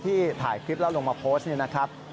ที่ถ่ายคลิปแล้วลงมาโพสต์นี่นะครับ